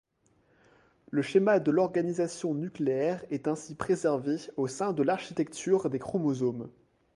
Le schéma de l’organisation nucléaire est ainsi préservé au sein de l’architecture des chromosomes.